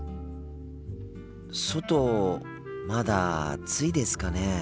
外まだ暑いですかね。